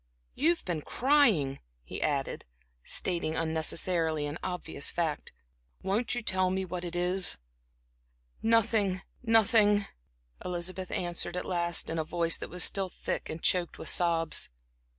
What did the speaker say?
You've been crying," he added, stating unnecessarily an obvious fact. "Won't you tell me what it is?" "Nothing nothing," Elizabeth answered at last, in a voice that was still thick and choked with sobs.